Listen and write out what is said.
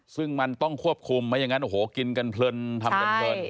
ซึ่งมันต้องควบคุมไม่อย่างนั้นโอ้โหกินกันเพลินทำกันเพลิน